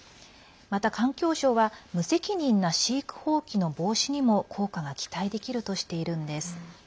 また、環境省は無責任な飼育放棄の防止にも効果が期待できるとしているんです。